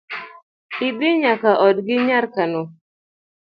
Idhi nyaka odgi nyar kano